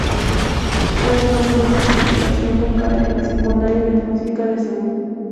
Fue alumno de Interpretación Vocal en la Secundaria de Música de Seúl.